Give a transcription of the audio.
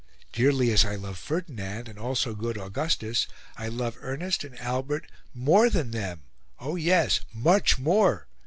Dearly as I love Ferdinand, and also good Augustus, I love Ernest and Albert MORE than them, oh yes, MUCH MORE...